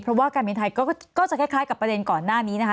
เพราะว่าการบินไทยก็จะคล้ายกับประเด็นก่อนหน้านี้นะคะ